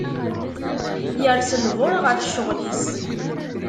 Yers lbuṛ ɣef cceɣl is.